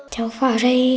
cháu vào đây